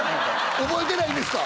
覚えてないんですか？